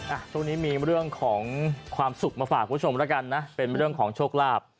ช่วงนี้มีเรื่องของความสุขมาฝากคุณผู้ชมแล้วกันนะเป็นเรื่องของโชคลาภ